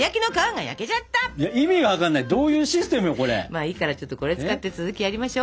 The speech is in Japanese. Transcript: まあいいからちょっとこれ使って続きやりましょ。